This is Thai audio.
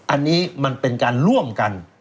อันนี้มันเป็นการร่วมกัน